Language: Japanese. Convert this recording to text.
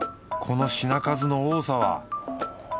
この品数の多さは。